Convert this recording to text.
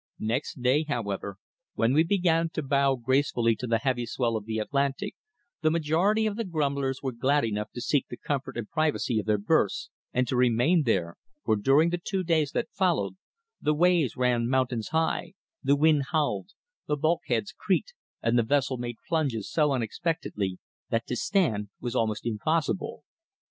Next day, however, when we began to bow gracefully to the heavy swell of the Atlantic the majority of the grumblers were glad enough to seek the comfort and privacy of their berths and to remain there, for during the two days that followed the waves ran mountains high, the wind howled, the bulkheads creaked and the vessel made plunges so unexpectedly that to stand was almost impossible.